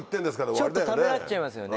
ちょっとためらっちゃいますよね。